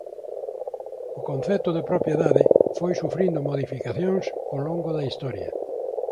O concepto de propiedade foi sufrindo modificacións ó longo da historia.